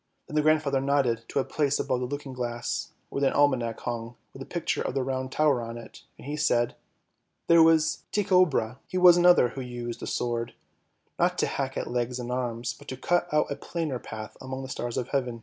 " Then the grandfather nodded to a place above the looking glass, where an almanac hung with a picture of the Round Tower x on it, and he said, " There was Tycho Brahe, he was another who used the sword; not to hack at legs and arms, but to cut out a plainer path among the stars of heaven